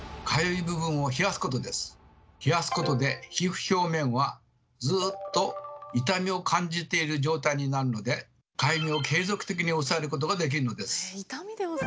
冷やすことで皮膚表面はずっと痛みを感じている状態になるのでかゆみを継続的に抑えることができるのです。